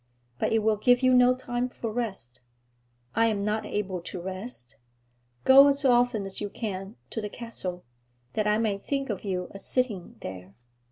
'But it will give you no time for rest.' 'I am not able to rest. Go as often as you can to the castle, that I may think of you as sitting there.'